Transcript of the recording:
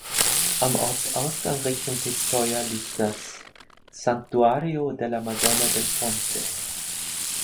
Am Ortsausgang Richtung Pistoia liegt das "Santuario della Madonna del Ponte".